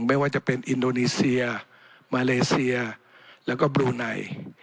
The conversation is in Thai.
ไม่ว่าจะเป็นอินโดนีเซียมาเลเซียแล้วก็บลูไน